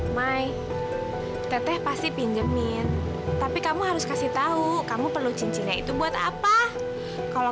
mai teteh pasti pinjemin tapi kamu harus kasih tahu kamu perlu cincinnya itu buat apa kalau